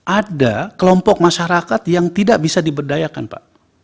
ada kelompok masyarakat yang tidak bisa diberdayakan pak